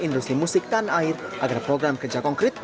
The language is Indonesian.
industri musik tanah air agar program kerja konkret